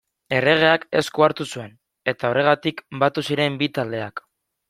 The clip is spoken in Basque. Erregeak esku hartu zuen, eta horregatik batu ziren bi taldeak.